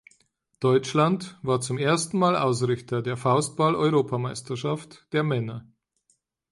Deutschland war zum ersten Mal Ausrichter der Faustball-Europameisterschaft der Männer.